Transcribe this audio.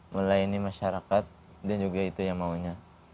mulai ini masyarakat dan juga itu yang maunya